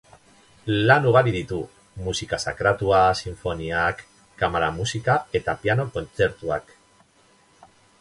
Lan ugari ditu: musika sakratua, sinfoniak, kamara-musika eta piano-kontzertuak.